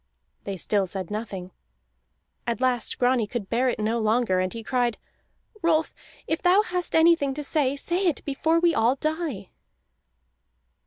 They still said nothing. At last Grani could bear it no longer, and he cried: "Rolf, if thou hast anything to say, say it before we all die!"